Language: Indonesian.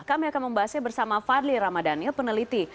kami akan membahasnya bersama fadli ramadhanil peneliti